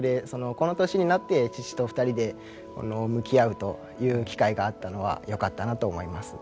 この年になって父と２人で向き合うという機会があったのはよかったなと思います。